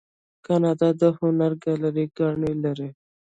کاناډا د هنر ګالري ګانې لري.